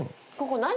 ここ。